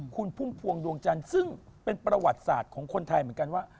คุณพุ่มพวงดวงจันทร์ซึ่งเป็นประวัติศาสตร์ของคนไทยเหมือนกันว่า